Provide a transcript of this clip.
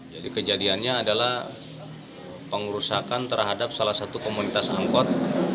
jadi kejadiannya adalah pengurusakan terhadap salah satu komunitas angkot